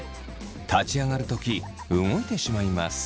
立ち上がる時動いてしまいます。